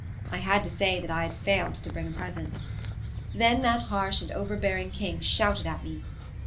I had to say that I had failed to bring a present. Then that harsh and overbearing king shouted at me.